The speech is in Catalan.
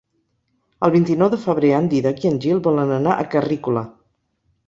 El vint-i-nou de febrer en Dídac i en Gil volen anar a Carrícola.